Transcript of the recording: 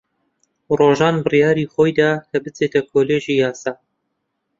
ڕۆژان بڕیاری خۆی دا کە بچێتە کۆلێژی یاسا.